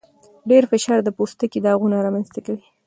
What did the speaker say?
ډېر فشار د پوستکي داغونه رامنځته کوي.